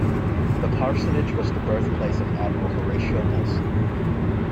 That parsonage was the birthplace of Admiral Horatio Nelson.